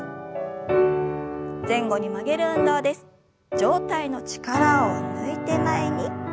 上体の力を抜いて前に。